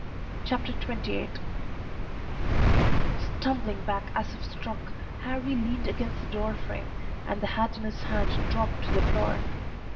CHAPTER XXVIII Stumbling back as if struck, Harrie leaned against the door frame, and the hat in his hand dropped to the floor.